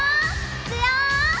いくよ！